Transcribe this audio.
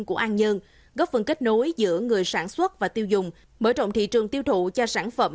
của an dương góp phần kết nối giữa người sản xuất và tiêu dùng mở rộng thị trường tiêu thụ cho sản phẩm